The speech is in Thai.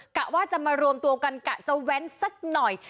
กะว่าจะมารวมตัวกันกะจะแว้นสักหน่อย